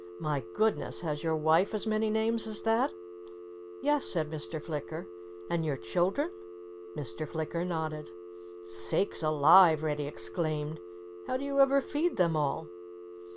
"My goodness! Has your wife as many names as that?" "Yes!" said Mr. Flicker. "And your children?" Mr. Flicker nodded. "Sakes alive!" Reddy exclaimed. "How do you ever feed them all?"